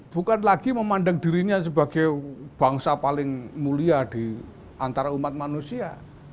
bukan lagi memandang dirinya sebagai bangsa paling mulia di antara umat manusia